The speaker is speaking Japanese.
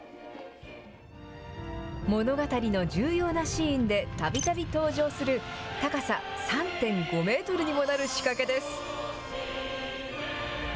物語の重要なシーンで、たびたび登場する、高さ３．５メートルにもなる仕掛けです。